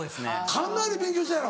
かなり勉強したやろ。